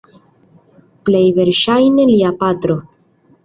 Plej verŝajne lia patro.